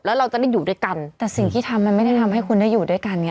แล้วเราจะได้อยู่ด้วยกันแต่สิ่งที่ทำมันไม่ได้ทำให้คุณได้อยู่ด้วยกันไง